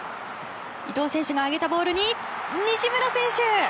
伊東選手が上げたボールに西村選手！